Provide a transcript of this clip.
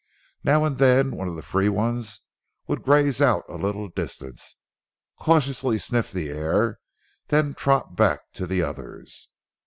Now and then one of the free ones would graze out a little distance, cautiously sniff the air, then trot back to the others.